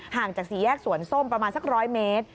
จากสี่แยกสวนส้มประมาณสัก๑๐๐เมตร